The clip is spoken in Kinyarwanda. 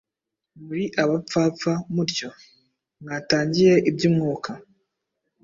Muri abapfapfa mutyo? Mwatangiye iby’Umwuka,